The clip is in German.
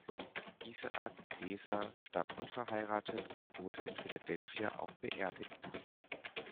Isaac Leeser starb unverheiratet und wurde in Philadelphia auch beerdigt.